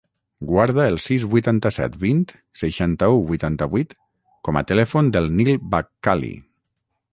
Guarda el sis, vuitanta-set, vint, seixanta-u, vuitanta-vuit com a telèfon del Nil Bakkali.